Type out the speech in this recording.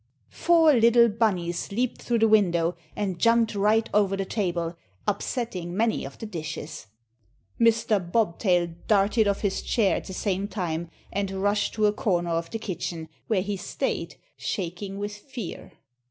Four little Bunnies leaped through the window, and jumped right over the table, upsetting many of the dishes. Mr. Bobtail darted off his chair at the same time, and rushed to a corner of the kitchen, where he stayed, shaking with fear.